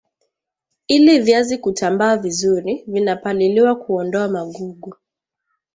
ili viazi kutambaa vizuri vinapaliliwa kuondoa magugu